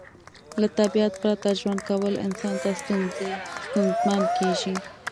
له طبیعت پرته ژوند کول انسان ته ستونزمن کیږي